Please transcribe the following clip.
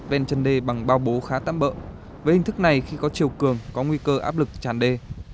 với hình thức này khi có chiều cường có nguy cơ áp lực tràn đê